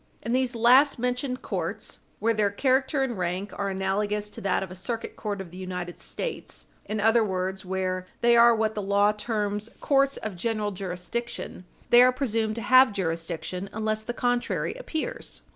In these last mentioned courts, where their character and rank are analogous to that of a Circuit Court of the United States in other words, where they are what the law terms courts of general jurisdiction they are presumed to have jurisdiction unless the contrary appears.